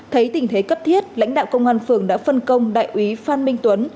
thấy tình thế cấp thiết lãnh đạo công an phường đã phân công đại úy phan minh tuấn